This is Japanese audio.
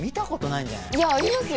いやありますよ！